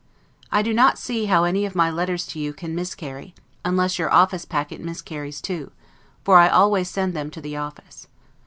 I do not see how any of my letters to you can miscarry, unless your office packet miscarries too, for I always send them to the office.